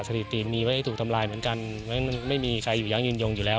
สถิติมีไว้ถูกทำลายเหมือนกันไม่มีใครอยู่ยั้งยืนยงอยู่แล้ว